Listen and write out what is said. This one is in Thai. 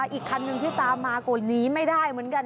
อีกคันหนึ่งที่ตามมาก็หนีไม่ได้เหมือนกัน